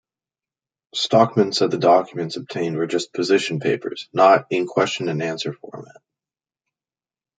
Stockman said the documents obtained were just position papers, not in question-and-answer format.